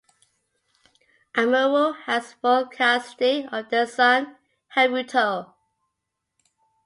Amuro has full custody of their son, Haruto.